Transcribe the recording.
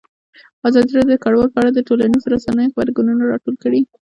ازادي راډیو د کډوال په اړه د ټولنیزو رسنیو غبرګونونه راټول کړي.